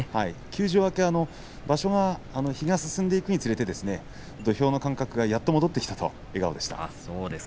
休場明け、場所が進んでいくにつれて土俵の感覚がやっと戻ってきたと笑顔でした。